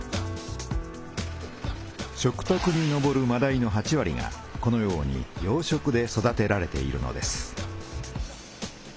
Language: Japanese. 食たくにのぼるまだいの８割がこのように養殖で育てられているのです。